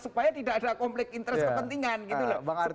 supaya tidak ada konflik interest kepentingan gitu loh